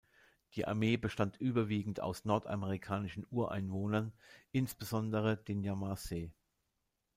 Die Armee bestand überwiegend aus nordamerikanischen Ureinwohnern, insbesondere den Yamasee.